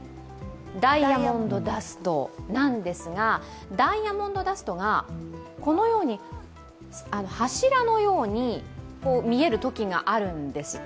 ダイヤモンドダストなんですが、ダイヤモンドダストが柱のように見えるときがあるんですって。